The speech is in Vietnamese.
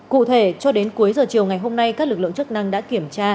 cụ thể cho đến cuối giờ chiều ngày hôm nay các lực lượng chức năng đã kiểm tra